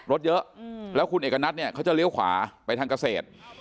รถเยอะแล้วคุณเอกนัทเนี่ยเขาจะเลี้ยวขวาไปทางเกษตร